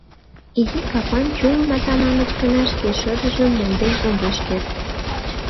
Изи капан чулым Атаманыч гына шке шыдыжым монден огеш керт.